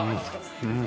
うん！